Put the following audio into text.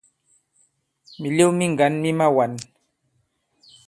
Mìlew mi ŋgǎn mi mawān.